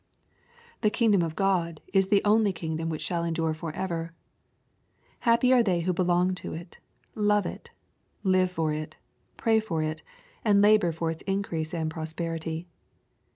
The kingdom of God is the only kingdom which shall endure forever. Happy are they who belong to it, love it, live for it, pray for it, and labor for its increase and prosperity.